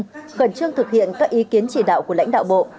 cục y tế đã tập trung khẩn trương thực hiện các ý kiến chỉ đạo của lãnh đạo bộ